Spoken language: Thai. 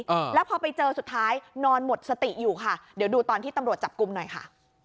เออแล้วพอไปเจอสุดท้ายนอนหมดสติอยู่ค่ะเดี๋ยวดูตอนที่ตำรวจจับกลุ่มหน่อยค่ะ